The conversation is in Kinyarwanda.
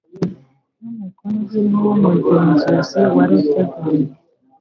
n umukono uhinnye w umugenzuzi waruteguye